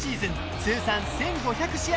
通算１５００試合